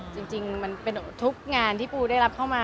จริงทุกงานที่ปูได้รับเข้ามา